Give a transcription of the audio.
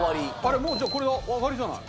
もうじゃあこれ上がりじゃない？